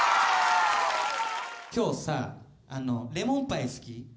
今日さ「レモンパイ」好き？